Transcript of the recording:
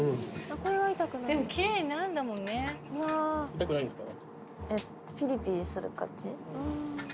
痛くないんですか？